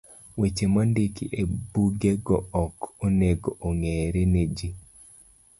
Weche mondiki ebugego ok onego ong'ere ne ji